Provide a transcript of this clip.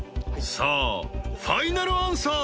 ［さあファイナルアンサー？］